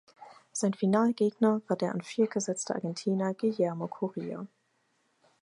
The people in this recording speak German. Sein Finalgegner war der an vier gesetzte Argentinier Guillermo Coria.